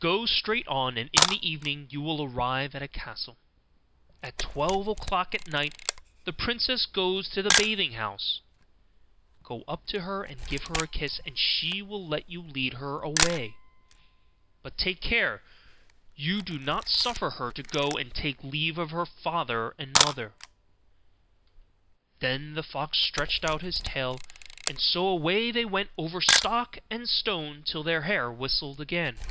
Go straight on, and in the evening you will arrive at a castle. At twelve o'clock at night the princess goes to the bathing house: go up to her and give her a kiss, and she will let you lead her away; but take care you do not suffer her to go and take leave of her father and mother.' Then the fox stretched out his tail, and so away they went over stock and stone till their hair whistled again.